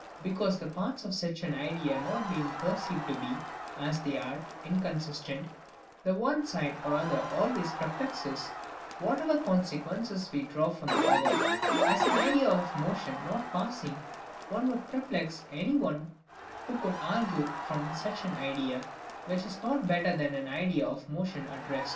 Because the parts of such an idea not being perceived to be, as they are, inconsistent, the one side or other always perplexes, whatever consequences we draw from the other; as an idea of motion not passing on would perplex any one who should argue from such an idea, which is not better than an idea of motion at rest.